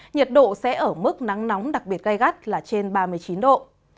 nhiệt độ sẽ ở mức nắng nóng đặc biệt gai gắt là trên ba mươi chín độ